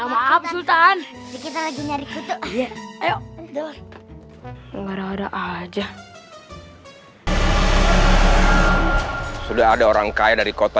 maaf sultan kita lagi nyari kutu ayo dong ngara ngara aja sudah ada orang kaya dari kota